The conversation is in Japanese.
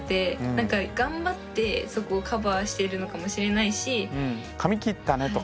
なんか頑張ってそこをカバーしてるのかもしれないし。